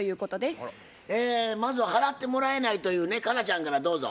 まずは払ってもらえないというね佳奈ちゃんからどうぞ。